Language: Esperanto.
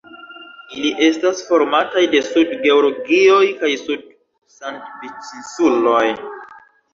Ili estas formataj de Sud-Georgioj kaj Sud-Sandviĉinsuloj.